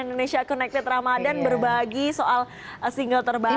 indonesia connected ramadhan berbagi soal single terbaru